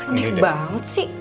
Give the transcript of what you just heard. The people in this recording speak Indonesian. aneh banget sih